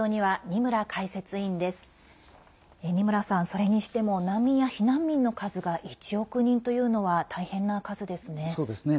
二村さん、それにしても難民や避難民の数が１億人というのは大変な数ですね。